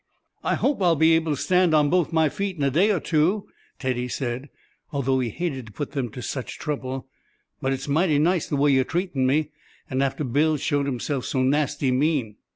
"I hope I'll be able to stand on both my feet in a day or two," Teddy said, as though he hated to put them to such trouble. "But it's mighty nice the way you're treating me; and after Bill showed himself so nasty mean."